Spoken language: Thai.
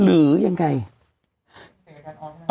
หรือยังไง